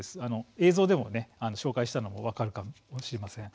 映像でも紹介したのも分かるかもしれません。